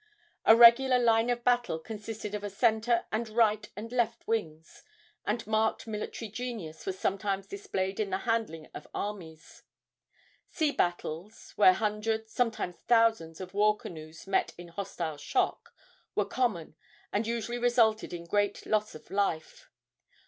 A regular line of battle consisted of a centre and right and left wings, and marked military genius was sometimes displayed in the handling of armies. Sea battles, where hundreds, sometimes thousands, of war canoes met in hostile shock, were common, and usually resulted in great loss of life.